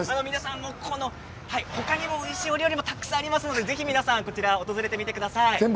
他にもおいしい料理がたくさんありますので皆さん、ぜひこちら訪れてください。